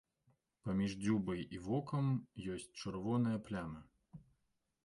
Паміж дзюбай і вокам ёсць чырвоная пляма.